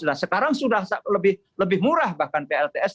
nah sekarang sudah lebih murah bahkan plts